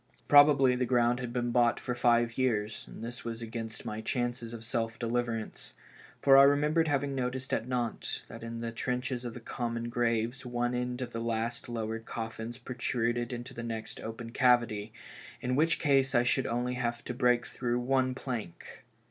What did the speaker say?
Probably the ground had been bought for five years, and this would be against my chances of self deliverance, for I remembered having noticed at Nantes that in the trenches of the common graves one end of the last lowered coffins protruded into the next open cavity, in which case I should only have had to break through one plank.